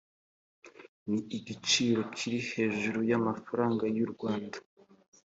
ni igiciro kiri hejuru y’amafaranga y’u rwanda